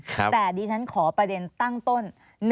แต่ดิฉันขอประเด็นตั้งต้น